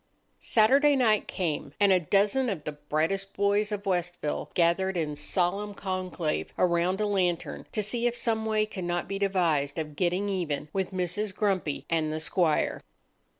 Saturday night came, and a dozen of the brightest boys of Westville gathered in solemn conclave around a lantern to see if some way could not be devised of getting even with Mrs. Grumpy and the squire.